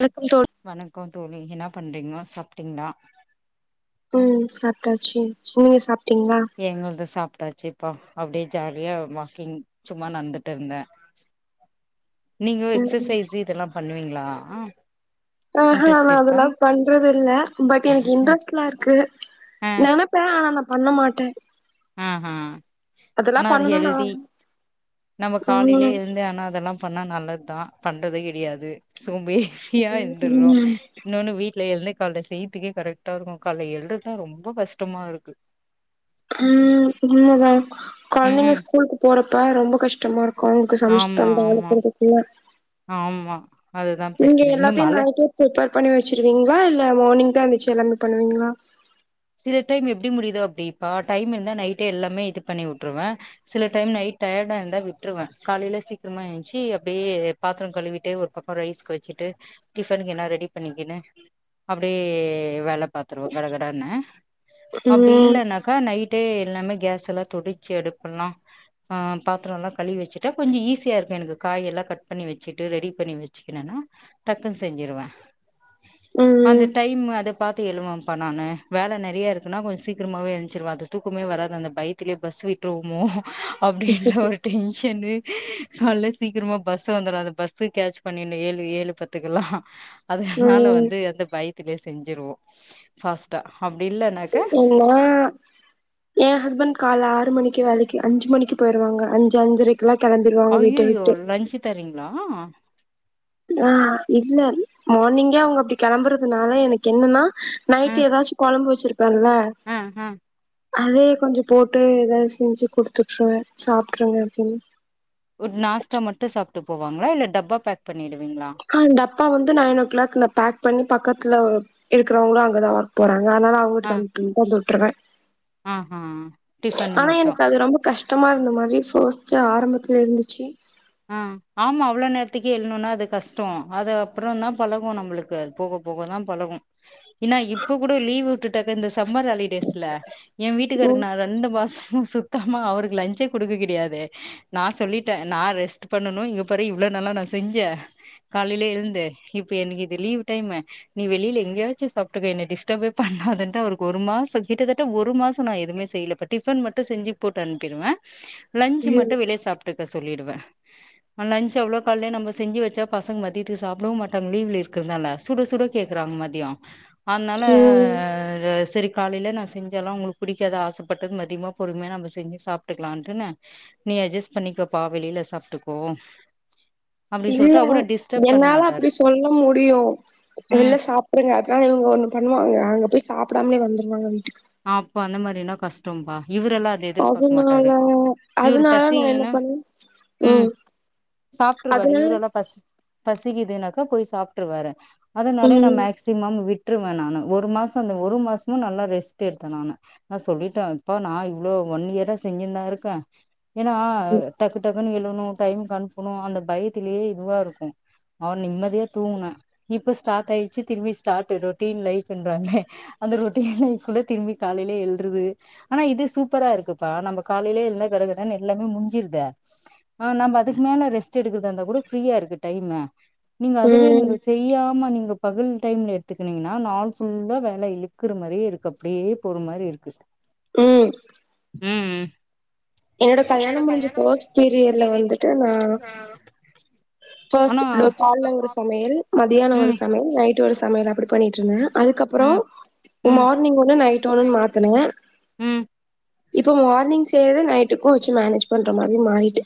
வணக்கோ தோழி வணக்கோ தோழி என்ன பண்றீங்கோ சாப்பிட்டிங்ளா ம் சாப்டாச்சு நீங்க சாப்ட்டீங்களா எங்கள்து சாப்டாச்சேப்பா அப்டியே ஜாலியா வாக்கிங் சும்மா நந்துட்டுருந்தே நீங்கோ ம் எக்சர்சைஸ்சு இதெல்லா பண்ணுவீங்களா ஆ ஆஹா நா அதெல்லா பண்றதில்ல பட் எனக்கு இன்ட்ரெஸ்ட்லா இருக்கு ஆ நெனப் ப்ப ஆனா நா பண்ண மாட்டே ம் ஹம் அதெல்லா ஆனா அது பண்ணணும்னு ஆ ஹெல்தி நம்ம காலைலயே ம் எழுந்து ஆனா அதெல்லா பண்ணா நல்லத்தா பண்றதே கிடியாது சூம்பி ஃரியா இருந்துட்றோ ம் இன்னொன்னு வீட்ல எழுந்து கால்ல செய்ர்துக்கே கரெக்ட்டாருக்கு கால எழுறதா ரொம்ப கஷ்டமாருக்கு ம் உண்மதா ம் கொழந்தைங்க ம் ஸ்கூலுக்கு போறப்ப ரொம்ப கஷ்டமாருக் அவங்க்கு சமைச்சு ஆமா தந்தா ஆமா அனுப்றதுகுள்ள ஆமா அதுதா பிரச்சன இன்னு மழ பிர்ப்பர் பண்ணி வச்சிருவீங்களா இல்ல மார்னிங் தா எந்துச்சு எல்லாமே பண்ணுவீங்களா சில டைம் எப்டி முடிதோ அப்டிப்பா டைம் இருந்தா நைட்டே எல்லாமே இது பண்ணி வுட்டுருவே சில டைம் நைட் டயடா இருந்தா விட்ருவே காலைல சீக்கரமா எஞ்சி அப்டியே பாத்ரோ கழுவிட்டே ஒரு பக்கோ ரைஸ்க்கு வச்சிட்டு டிஃபனுக்கு என்னா ரெடி பண்ணிக்கினு அப்டியே வேல பாத்ருவோ கடகடனு அப்டி ம் இல்லனாக்கா நைட்டே எல்லாமே கேஸ்சல்லா தொடச்சு எடுப்பலா ஆ பாத்ரோல்லா கழிவி வச்சுட்டா கொஞ்சோ ஈஸியா இருக்கு எனக்கு காயெல்லா கட் பண்ணி வச்சுட்டு ரெடி பண்ணி வச்சுக்கிணேன்னா டக்குனு செஞ்சிருவே அந்த ம் டைம் அத பாத்து எழுவப்பா நானு வேல நெறையா இருக்குன்னா கொஞ்சோ சீக்ரமாவே எழுஞ்ச்சிருவே அது தூக்குமே வராது அந்த பைத்திலேயே பஸ் விட்டுருவோமோ அப்டீன்ற ஒரு டென்ஷன்னு கால்ல சீக்ரமா பஸ் வந்துரு அந்த பஸ்சு கேட்ச் பண்ணிர்னு ஏழு ஏழு பத்து துக்கலா அதனால ம் வந்து அந்த பைத்தலயே செஞ்சிருவோ ஃபாஸ்டா அப்டில்லன்னாக்க நா ஏன் ஹஸ்பண்ட் கால ஆறு மணிக்கே வேலைக்கு அஞ்சு மணிக்கு போயிருவாங்க அஞ்சு அஞ்சரைக்கு கெல்லா கெளம்பிருவாங்க வீட்ட விட்டு தர்ரீங்ளா ஆ இல்ல மார்னிங்கே அவ்ங்க அப்டி கெளம்பறதுனால எனக் கென்னன்னா நைட்டு ஏதாச்சு கொழம்பு வச்சிருப்பேன்ல ம் ம் அதே கொஞ்சோ போட்டு ஏதாது செஞ்சு குடுத்துட்டுருவே சாப்பிட்ருங்க அப்டின்னு உட் நாஸ்டா மட்டு சாப்ட்டு போவாங்களா இல்ல டப்பா பேக் பண்ணிடுவிங்ளா ஆ டப்பா வந்து நைன் ஓ கிளாக் நா பேக் பண்ணி பக்கத்துல இருக்கறவங்களு அங்கதா ஒர்க் போறாங்க அதனால அவங்ட்ட அ தந் தந்து வுட்டுருவே ஆ ஹா டிஃபனுக்கு ஆனா மட்டு எனக்கு அது ரொம்ப கஷ் டமா இருந்த மாதிரி ஃபஸ்ட்டு ஆரம்பத்ல இருந்துச்சி. அ ஆமா அவ்ளோ நேரத்திக்கே எழ்ணுனா அது கஷ்டோ அது அப்புறந்தா பழகு நம்முளுக்கு அது போக போக தா பழகு என்னா இப்போ கூட லீவ்விட்டுட்டாக்கா இந்த சம்மர் ஹாலிடேஸ் ல எ ம் வீட்டுக்காருக்கு நா ரெண்டு மாசமு சுத்த ஆமா அவுருக்கு லஞ்சே குடுக்க கிடையாதே நா சொல்லிட்டே நா ரெஸ் ட்டு பண்ணனு இங்க பாரு இவ்ளோ நாளா நா செஞ்சே காலைலியே எழுந்து இப்ப எனக்கு இது லீவ் டைமு நீ வெளில எங்யாச்சு சாப்ட்டுக்க என்னய டிஸ்டபே பண்ணாதன்ட்டு அவுருக்கு ஒரு மாச கிட்டத்தட்ட ஒரு மாசோ நா எதுமே செய்ல இப்ப டிஃபன் மட்டு செஞ்சி போட்டு அனுப்பிர்வே. லன்ஞ்சு ம் மட்டு வெளிய சாப்ட்டுக்க சொல்லிடுவே. அ லன்ச் அவ்ளோ கால்லியே நம்ம செஞ்சு வெச்சா பசங் மதியதுக்கு சாப்டவு மாட்டாங் லீவ்ல இருக்கற்னால சுட சுட கேக்குறாங் மதியோ அதுனால ம் ர செரி காலையில நா செஞ்சால்லா அவுங்களுக்கு பிடிக்காது ஆசப்பட்டது மதியமா பொறுமையா நம்ப செஞ்சு சாப்ட்டுக்கலான்ட்டுன்னு நீ அட்ஜஸ் பண்ணிக்கப்பா வெளில சாப்ட்டுக்கோ அப்டின்னு இல்ல சொல்லிட்டு அவரு டிஸ்டர்ப் பண்ண என்னால மாட்டாரு அப்டி சொல்ல முடியு ம் வெள்ல சாப் புடுங்க அட்த்த நாலு இவுங்க ஒன்னு பண்ணுவாங்க அங்க போய் சாப்டாமலே வந்துருவாங்க வீட்டுக் அப்ப அந்த மாரின்னா கஷ்டம்பா இவுரெல்லா அ து எதிர்பாக்க அதுனால மாட்டாரு இவுரு அதுனால பசி நா என்ன இல்லினா பண்ணே ம் சாப்ட்டுருவாரு அதுனால இவுரெல்லா பசி பசிக்குதுன்னாக்கா போய் சாப்ட்டுருவாரு அதுனாலயே நா ம் மேக்சிமம் வி ட்ருவே நானு ஒரு மாசோ அந்த ஒரு மாசமு நல்லா ரெஸ் ட்டு எடுத்தே நானு நா சொல்லிட்டே ப்பா நா இவ்ளோ ஒன் இயரா செஞ்சின்தா இருக்கே. ஏனா டக்கு டக்குன்னு எழுணு டைம்க்கு அனுப்புனு அந்த பயத்திலியே இதுவாருக்கு. அவ நிம்மதியா தூங்குனே இப்ப ஸ்டாட் ஆயிச்சி திரும்பி ஸ்டாட்டு ரொட்டீன் லைஃப்ன்றாங்க. அந்த ரொட்டீன் லைஃப்ல திரும்பி காலையிலே எழ்றது. ஆனா இது சூப்பரா இருக்குப்பா நம்ப காலையிலே எழுந்தா கடகடனு எல்லாமே முட்ஞ்சிர்து. ஆ நாம்ப அதுக்கு மேல ரெஸ்ட் எடுக்கறதா இருந்தா கூட ஃப்ரீயா இருக்கு டைமு. நீங்க அதுவே ம் நீங்க செய்யாம நீங்கப் பகல் டைம்ல எடுத்துக்கனீங்னா நாள் ஃபுல்லா வேல இழுக்குற மாரியே இருக்கு. அப்டியே போற மாரி இருக்கு. ம். ம் ம். என்னோட கல்யாண முடிஞ்சி ஃபஸ்ட் பீரியட்ல வந்துட்டு நா ஃபஸ்ட் ஆனா லோ கால்ல ஒரு சமையல் மதியானோ ஒரு ம் சமையல் நைட்டு ஒரு சமையல் அப்டி பண்ணிட்ருந்தே. அதுக்கப்பறோ ம் ம் மார்னிங் ஒன்னு நைட் ஒன்னுன் மாத்துனே. ம் இப்போ மார்னிங் செய்யறதே நைட்டுக்கு வெச்சி மேனேஜ் பண்ற மாரி மாறிட்டு.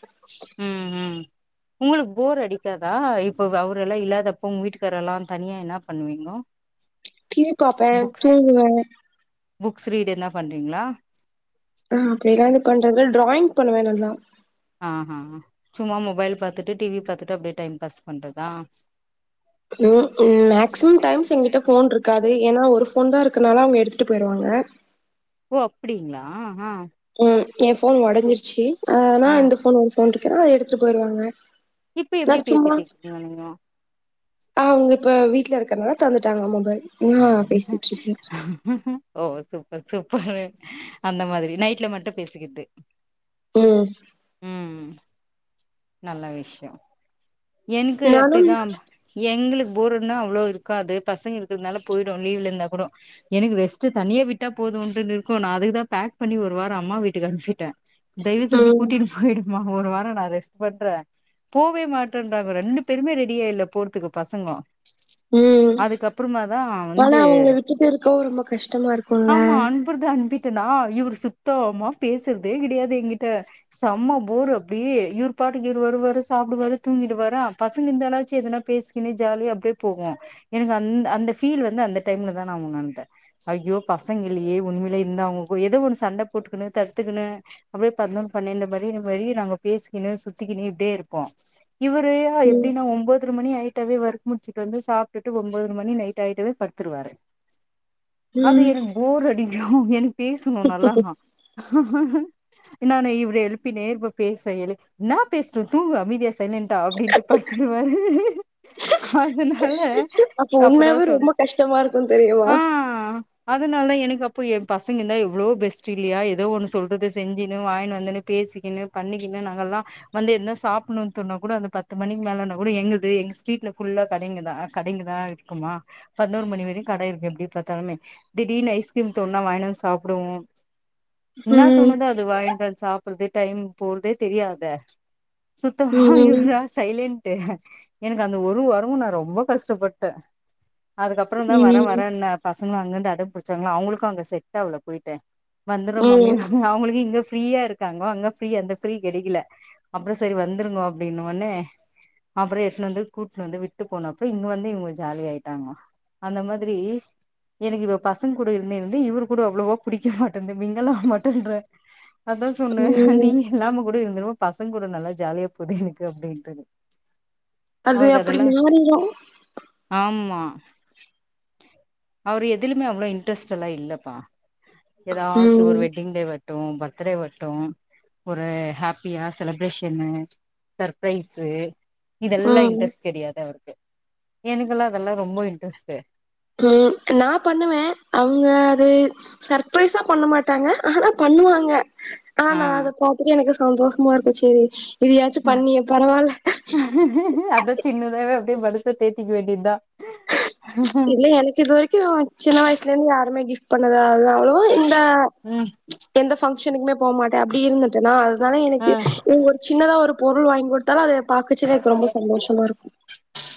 உங்குளுக் போர் அடிக்காதா இப்பவ் அவுரெல்லா இல்லாதப்போ உங் வீட்டுக்காரெல்லா தனியா என்னா பண்ணுவீங்கோ? டி வி பாப்பே, புக்ஸ் தூங்குவே. புக்ஸ் ரீடு எதுனா பண்றிங்ளா? அ அப்டில்லா எது பண்றது டிராயிங் பண்ணுவே நல்லா. ஆஹா சும்மா மொபைல் பாத்துட்டு டி வி பாத்துட்டு அப்டே டைம் பாஸ் பண்றதா. ம் ம் மேக்சிமம் டைம்ஸ் எங்கிட்ட ஃபோன்ருக் காது ஏனா ஒரு ஃபோன்தா இருக்கனால அவுங்க எடுத்துட்டு போயிருவாங்க. ஓ அப்டிங்ளா ஆ ம் என் ஃபோன் ஒடஞ்சிருச்சு ஆனா ஆ இந்த ஃபோன் ஒரு ஃபோன் இருக்கன்ட்டனால அத எடுத்துட்டு போயிருவாங்க இப்ப நா எப்டி பேசிட்டு சும்மா இருக்கீங்க நீங்க ஆ அவுங்க இப்ப வீட்ல இருக்கறனால தந்துட்டாங்க மொபைல் நா பேசிட்டு இருக்க ஆஹ் ஓ சூப்பர் சூப்பரு அந்த மாதிரி நைட்ல மட்டு பேசிக்கறது ம் நல்ல விஷ்யோ என்கு நானும் அப்டிதா எங்களுக்கு போர்னா அவ்ளோ இருக்காது பசங்க இருக்கறதுனால போயிடு லீவ்ல இந்தா கூடோ எனக்கு ரெஸ்ட்டு தனியா விட்டா போதுன்டு இருக்கு நா அதுக்குதா பேக் பண்ணி ஒரு வாரோ அம்மா வீட்டுக்கு அனுப்ச்சு விட்ட தய்வு செஞ்சு ம் கூட்டிட்டு போயிடுமா ஒரு வாரோ நா ரெஸ் பண்ற போவே மாட்டேன்றாங்க ரெண்டு பேருமே ரெடியா இல்ல போறதுக்கு பசங்கோ ம் அதுக்கப்புறமா தா வந்து ஆனா அவுங்க விட்டுட்டு இருக்கவு ரொம்ப கஷ்டமா இருக்குல்ல ப்புறது அனுப்பிட்டனா இவரு சுத்தமா பேசுறதே கெடையாது என்கிட்ட செம்ம போரு அப்டியே இவ்ரு பாட்டுக்கு இவரு வருவாரு சாப்டுவாரு தூங்கிடுவாறா பசங்க இருந்தாலாச்சு எதனா பேசுகின்னு ஜாலியா அப்டியே போகு எனக்கு அந்த அந்த ஃபீல் வந்து அந்த டைம்லதா நா உணர்ந்த அய்யோ பசங்க இல்லயே உண்மைலயே இந்தா அவுங்க ஏதோ ஒன்னு சண்ட போட்டுகணு தடுத்துகணு அப்டியே பதினொன் பன்னெண்டு மாரி நாங்க பேசிக்கிணு சுத்திக்கினு இப்டியே இருப்போ இவருயா ம் எப்டினா ஒன்பதர மணி ஆயிட்டாவே ஒர்க் முடிச்சிட்டு வந்து சாப்டுட்டு ஒன்பதர மணி நைட் ஆயிட்டாவே படு த்துருவாரு அது ம் எனக்கு போர் அடிக்கு எனக்கு பேசணு நல்லா நானு இவரு எழுப்பினே இருப்ப பேச என்னா பேசற தூங்கு அமைதியா சைலன்டா அப்டின்ட்டு படுத்துருவாரு அதனால அப்ப அப்பதா உண்மயாவே சொல் ரொம்ப கஷ்டமா இருக்கு தெரியுமா அதனாலதா எனக்கு அப்போ என் பசங்க இந்தா எவ்ளோ பெஸ்ட் இல்லயா ஏதோ ஒன்னு சொல்றது செஞ்சுன்னு வாங்கினு வந்துனு பேசிக்கின்னு பண்ணிக்குனு நாங்கல்லா வந்து என்ன சாப்புணுனு தோன்னா கூட அந்த பத்து மணிக்கு மேலனா கூட எங்ள்து எங்க ஸ்ட்ரீட்ல ஃபுல்லா கடைங்கதா கடைங்கதா இருக்குமா பதினோரு மணி வரையு கடை இருக்கு எப்டி பாத்தாலுமே திடீனு ஐஸ்கிரீம் தோன்னா வாங்கினு வந்து சாப்டுவோ என்னா ம் தோணுதோ அது வாங்கிட்டு வந்து சாப்டுறது டைம் போறதே தெரியாதே சுத்தமா ம் இவரா சைலன்ட்டு எனக்கு அந்த ஒரு வாரமா நா ரொம்ப கஷ்டப்பட்ட அதுக்கப்பறந்தா வர ம் வரன்ன பசங்களு அங்கிருந்து அட புடிச்சாங்ளா அவுங்களுக்கு அங்க செட் ஆகல போயி்ட்டு வந்துரு மம்மி ம் அவுங்களுக்கு இங்க ஃப்ரீயா இருக்காங்கோ அங்க ஃப்ரீயா அந்த ஃப்ரீ கெடைக்கல அப்றோ சரி வந்துருங்கோ அப்டின்ன ஒன்னே அப்றோ எட்னு வந்து கூட்டு வந்து விட்டு போனப்போ இங்க வந்து இவுங்க ஜாலி ஆயிட்டாங்க அந்த மாதிரி எனக்கு இப்ப பசங்க கூட இருந்து இருந்து இவரு கூட அவ்ளவா பிடிக்க மாட்டன்து மிங்கல் ஆக மாட்டேன்ற அதா சொன்ன ம் நீங்க இல்லாம கூட இருந்துருவ பசங்க கூட நல்லா ஜாலியா போது எனக்கு அப்டின்ட்டுனு அது அவருக்கு அப்டி அதெல்லா மாறிரு ஆமா அவரு எதிலுமே அவ்ளோ இன்ட்ரெஸ்டெல்லா இல்லப்பா எதாச்சு ஒரு ம் வெட்டிங் டே வரட்டு பர்த்டே வரட்டு ஒரு ஹெ ப்பியா செலப்ரேஷ்ன்னு சர்ப்ரைஸு இதெல்லா ம் ம் இன்ட்ரெஸ்ட் கெடையாது அவருக்கு எனக்கெல்லா அதெல்லா ரொம்ப இன்ட்ரெஸ்ட்டு உம் நா பண்ணுவே அவுங்க அது சர்ப்ரைஸா பண்ண மாட்டாங்க ஆனா பண்ணுவாங்க ஆ ஆமா அத பாத்துட்டு எனக்கு சந்தோஷமா இருக்கும் சேரி இதயாச்சும் பண்ணியே பரவால்ல அதா சின்னதாவே அப்டியே மனச தேத்திக்க வேண்டியதா இல்ல எனக்கு இது வரைக்கும் சின்ன வயசுல இருந்து யாருமே கிஃப்ட் பண்ணதா அதுதா அதுவு இந்த ம் எந்த ஃபங்க்ஷனுக்குமே போ மாட்டே அப்டி இருந்துட்டேன்னா அதனால ஆ எனக்கு ஒரு சின்னதா ஒரு பொருள் வாங்கி குடுத்தாலு அத பாக்கச்சுல எனக்கு ரொம்ப சந்தோஷமா இருக்கும்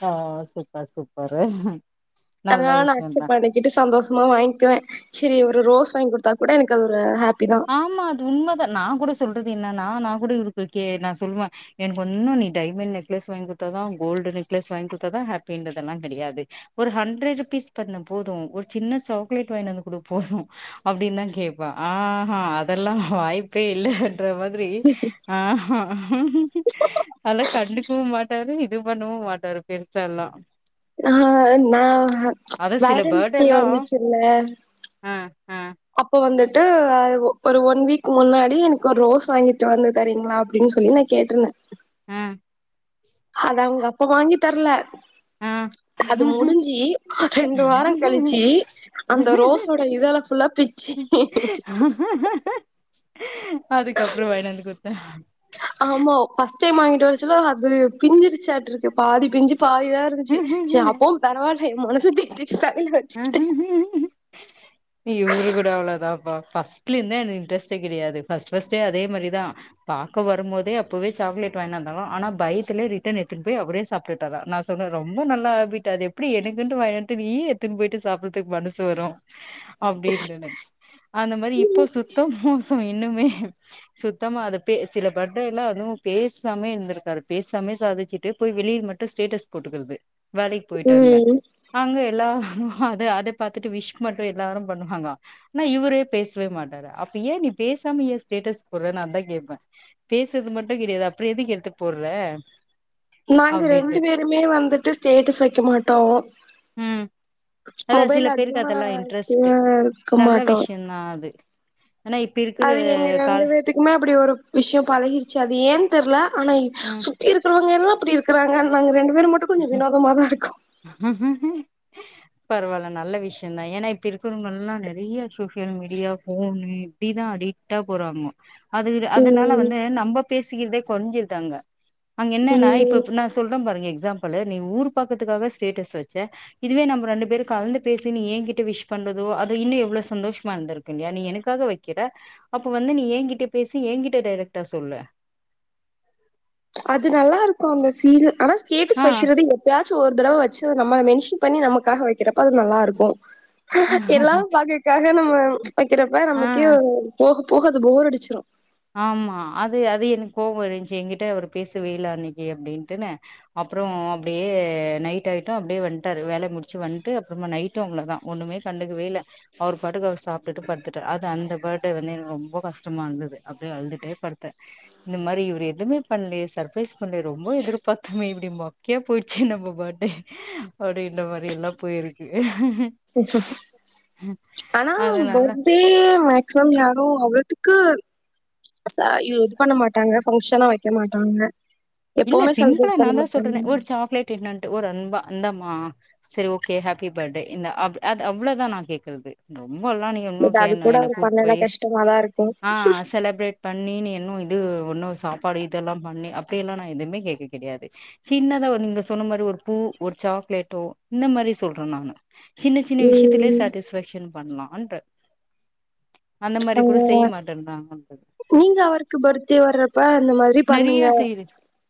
ஆ சூப்பர் சூப்பரு நல்ல எதுனாலு விஷயந்தா நாஅக்சப்ட் பண்ணி கிட்டு சந்தோஷமா வாங்கிக்குவே சேரி ஒரு ரோஸ் வாங்கி குடுத்தா கூட எனக்கு அது ஒரு ஹாப்பி தா ஆமா அது உண்மதா நா கூட சொல்றது என்னனா நா கூட இருக்கு கே நா சொல்லுவே எனக்கு ஒன்னு நீ டைமண்ட் நெக்லஸ் வாங்கி குடுத்தாதா கோல்டு நெக்லஸ் வாங்கி குடுத்தாதா ஹாப்பின்றதெல்லா கெடையாது ஒரு ஹண்ட்ரட் ருபீஸ் பண்ணு போதும் ஒரு சின்ன சாக்லேட் வாங்கினு வந்து குடு போதும் அப்டின்னு தா கேப்பே ஆ ஆ அதெல்லா வாய்ப்பே இல்லன்ற மாதிரி ஆ அதெல்லா கண்டுக்கவு மாட்டாரு இது பண்ணவு மாட்டாரு பெருசா எல்லா நா நா அத சில வேலன்டன்ஸ் டே பேர்டெல்லாம் வந்துச்சுல ஆ ஆ அப்போ வந்துட்டு ஒரு ஒன் வீக் முன்னாடி எனக்கு ஒரு ரோஸ் வாங்கிட்டு வந்து தரீங்களா அப்டின்னு சொல்லி நா கேட்ருந்தே ஆ ஆனா அவுங்க அப்ப வாங்கி தர்ல ஆ அது முடிஞ்சி ரெண்டு வாரம் கழிச்சு அந்த ரோஸோட இதழ ஃபுல்லா பிச்சு அதுக்கப்புறோ வாங்கிட்டு வந்து குடுத்தாரா ஆமா ஃபர்ஸ்ட் டைம் வாங்கிட்டு வரச்சுல அது பிஞ்சிருச்சாட்டு இருக்கு பாதி பிஞ்சி பாதிதா இரு இருந்துச்சு சே அப்பவு பரவால்ல ஏ மனச தேத்திட்டு தலைல வச்சுக்கிட்டே இவரு கூட அவ்வளோதான்பா ஃபஸ்ர்ட்ல இருந்தே எனக்கு இன்ட்ரஸ்டே கெடையாது ஃபஸ்ர்ட் ஃபஸ்ர்ட் அதே மாரிதா பாக்க வரும் போதே அப்பவே சாக்லேட் வாங்கிட்டு வந்தாங்க ஆனா பயத்துலே ரிட்டன் எடுத்துட்டு போய் அவரே சாப்டுட்டாரா நா சொன்ன ரொம்ப நல்ல ஹேபிட் அது எப்படி எனக்குன்ட்டு வாங்கி வந்துட்டு நீயே எடுத்துன்னு போயிட்டு சாப்புடறதுக்கு மனசு வரும் அப்டின்டுனு அந்த மாரி இப்போ சுத்த மோசம் இன்னுமே சுத்தமா அத பே சில பேர்ட எல்லா அதுவு பேசாமே இருந்திருக்காரு பேசாமே சாதிச்சு ட்டு போய் வெளியில மட்டு ஸ்டேட்டஸ் போட்டுக்குறது வேலைக்கு போய்ட்டாங்க ம் அங்க எல்லா அத அத பாத்துட்டு விஷ் மட்டு எல்லாரு பண்ணுவாங்களா ஆனா இவுரு பேசவே மாட்டாரு அப்ப ஏ நீ பேசாம ஏ ஸ்டேட்டஸ் போட்ற நா அதா கேப்ப பேசுறது மட்டு கெடையாது அப்பறோ எதுக்கு எடுத்து போட்ற நாங்க ரெண்டு பேருமே வந்துட்டு ஸ்டேட்டஸ் வைக்க மாட்டோ ம் அதா சில மொபைல் பேருக்கு அதிகமா அதெல்லா தூங்க வைக்க மாட்டோ நா அது ஆனா இப்ப இருக்குற கால இதுக்குமே அப்படி ஒரு விஷ்யோ பழகிருச்சு அது ஏன் தெரில ஆனா இ ம் சுத்தி இருக்கிறவுங்க எல்லா அப்டி இருக்கிறாங்க நாங்க ரெண்டு பேர் மட்டு கொஞ்சோ ம் வினோதமா தா இருக்கோ பரவால்ல நல்ல விஷ்யந்தா ஏன்னா இப்ப இருக்றவ்கெல்லா நெறைய சோசியல் மீடியா ஃபோனு அப்டிதா அடிக்டா போறாங்க அது அதனால ம் வந்து நம்ப பேசிக்கிறதே கொறஞ்சிருது அங்க அங்க என்னன்னா இப்ப ம் நா சொல்ற பாருங்க எக்ஸாம்பிள்ளு நீ ஊர் பாக்கதுக்காக ஸ்டேட்டஸ் வச்ச இதுவே நம்ம ரெண்டு பேரு கலந்து பேசி நீ ஏங்கிட்ட விஷ் பண்றதோ அது இன்னு எவ்ளோ சந்தோஷமா இருந்துருக் கு இல்லயா நீ எனக்காக வைக்கிற அப்போ வந்து நீ ஏங்கிட்ட பேசி எங்கிட்ட டேரக்டா சொல்லு அது நல்லா இருக்கு அந்த ஃபீல் ஆனா ஸ்டேட்டஸ் ஆ வைக்கிறது எப் பயாச்சு ஒரு தடவ வச்சு நம்மள மென்ஷன் பண்ணி நமக்காக வைக்கிறப்ப அது நல்லா இருக்கு எல்லாரு பாக்ககாக நம்ம வெக்கிறப்ப ஆ நமக்கே ஆ போக போக அது போர் அடிச்சிரு ஆமா அது அது எனக்கு கோவோ இருன்ச்சு என்கிட்ட அவர் பேசவேல அன்னைக்கு அப்டின்ட்டுன்னு அப்றோ அப்டியே நைட் ஆயிட்டு அப்டியே வந்ட்டாரு வேல முடிச்சு வந்ட்டு அப்பறமா நைட் டு அவ்ளதா ஒண்ணுமே கண்டுகவேல அவுர் பாடுக்க அவுர் சாப்ட்டுட்டு படுத்துட்டா அது அந்த பர்த்டே வந்து எனக்கு ரொம்போ கஷ்டமா இந்துது அப்டியே அழுந்துட்டே படுத்த இந்த மாரி இவுரு எதுமே பண்லயே சர்ப்ரைஸ் பண்லயே ரொம்போ எதிர்பாத்தமே இப்டிமொக் க்கையா போயிடுச்சே நம்ம பர்டே அப்டின்ற மாரி எல்லா போயிருக்கு ஆனா அதனால பர்த்டே டே மேக்சிமம் யாரு அவ்ளதுக்கு சா இ இது பண்ண மாட்டாங்க ஃபங்க்ஷனா வைக்க மாட்டாங்க இல்ல எப்பவுமே சிம்பிளா செலிப்ரேட் பண்ண நான்தா சொல்றனே மாட்டாங்க ஒரு சாக்லேட் என்னட்டு ஒரு அன்பா இந்தாமா சரி ஓகே ஹபி பர்டே இந்த அது அவ்ளோதா நா கேக்குறது ரொம்பலா நீ கே உன்னோ பட் அது கேன் கூட வேனூ அவர் கூட் பண்ணல போய் கஷ்டமா தான் இருக்கும் ஆ செலப்ரேட் பண்ணி நீ இன்னு இது ஒன்னு சாப்பாடு இதெல்லா பண்ணி அப்டியெல்லா நா எதுமே கேக்க கெடயாது சின்னதா ஒன்னு நீங்க சொன்ன மாரி ஒரு பூ ஒரு சாக்லேட்டோ இந்த மாரி சொல்ற நானு சின்ன சின்ன விஷ்யத்திலே உம் சாட்டிஸ்ஃபேக்ஷன் பண்லான்ற அந்த மாரி கூட செய்ய ஆஹ் மாட்டேன்றாங்க நீங்க அவருக்கு பர்த்டே வர்றப்ப அந்த மா நெறைய செய்ற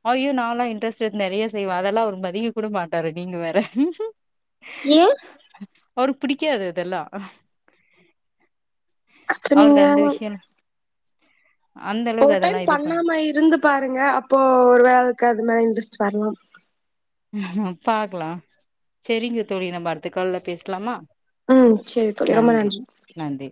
ஐயோ நான்லா இன்ட்ரஸ்ட் எது நெறைய செய்வ அதெல்லா அவுரு மதிக்க கூட மாட்டாரு நீங்க வேற ஏ அவுருக் புடிக்காது இதெல்லா அப்ப அவருக்கு நீங்க அந்த விஷ்யன் ஒரு டைம் பண் பண்ணாம இருந்து பாருங்க அப்போ ஒரு வேலக்கு அது மேல இன்ட்ரெஸ்ட் வரலாம் பாக்லா செரிங்க தோழி நம்ம அடுத்த கால்ல பேஸ்லாமா ம் சேரி தோழி ரொம்ப நன்றி நன்றி